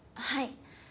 はい。